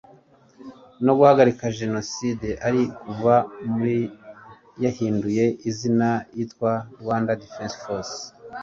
no guhagarika jenoside ariko kuva muri yahinduye izina yitwa rwanda defense forces (rdf)